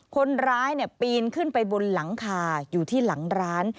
คนร้ายปีนขึ้นไปบนหลังคาอยู่ที่หลังร้าน